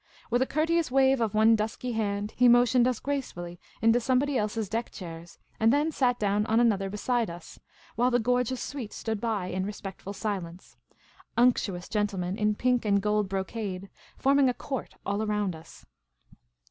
With a courteous wave of one dusky hand, he motioned us gracefully into somebody else's deck chairs, and then sat down on another beside us, while the 238 Miss Caylcy's Adventures gorgeous suite stood by in respectful silence — unctuous gentlemen in pink and gold brocade — forming a court all round us.